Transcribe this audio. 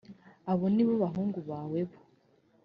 aba ni bo bahungu bawe bo